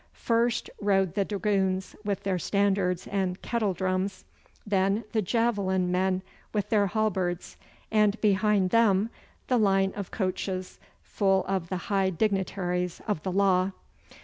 First rode the dragoons with their standards and kettledrums, then the javelin men with their halberds, and behind them the line of coaches full of the high dignitaries of the law.